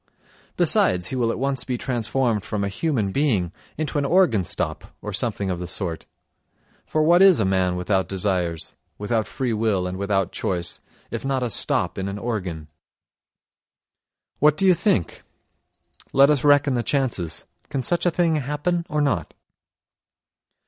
Besides, he will at once be transformed from a human being into an organ stop or something of the sort; for what is a man without desires, without free will and without choice, if not a stop in an organ? What do you think? Let us reckon the chances—can such a thing happen or not?